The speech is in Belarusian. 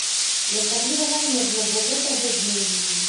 І асабліва ганебна, бо гэта годныя людзі.